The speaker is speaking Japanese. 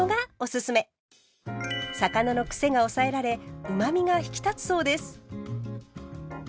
魚のクセが抑えられうまみが引き立つそうです。